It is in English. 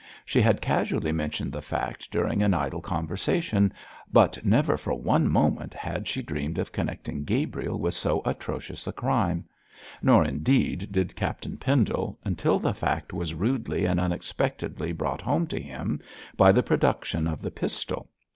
She had casually mentioned the fact during an idle conversation; but never for one moment had she dreamed of connecting Gabriel with so atrocious a crime. Nor indeed did Captain Pendle, until the fact was rudely and unexpectedly brought home to him by the production of the pistol.